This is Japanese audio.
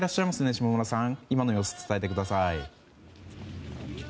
下村さん、今の様子を伝えてください。